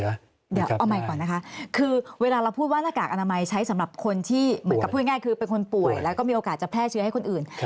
เดี๋ยวเอาใหม่ก่อนนะคะคือเวลาเราพูดว่าหน้ากากอนามัยใช้สำหรับคนที่เหมือนกับพูดง่ายคือเป็นคนป่วยแล้วก็มีโอกาสจะแพร่เชื้อให้คนอื่น